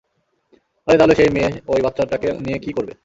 আরে তাহলে সেই মেয়ে ওই বাচ্চাটাকে নিয়ে কী করবে?